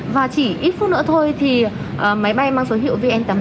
và chỉ ít phút nữa thôi thì máy bay mang số hiệu vn tám mươi